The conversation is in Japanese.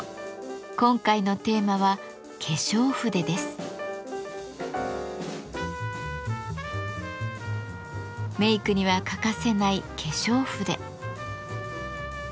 今回のテーマはメイクには欠かせない化粧筆。